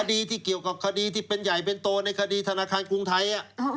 ที่เกี่ยวกับคดีที่เป็นใหญ่เป็นโตในคดีธนาคารกรุงไทย